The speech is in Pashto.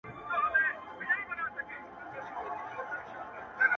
له روح سره ملگرې د چا د چا ساه ده په وجود کي’